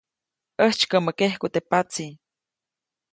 ʼÄjtsykäʼmä kejku teʼ patsi.